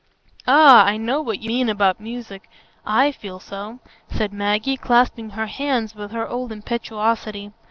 "Ah! I know what you mean about music; I feel so," said Maggie, clasping her hands with her old impetuosity.